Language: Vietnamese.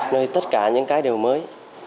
nơi tất cả những cái đều mới